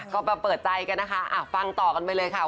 ก็มาเปิดใจกันนะคะฟังต่อกันไปเลยค่ะ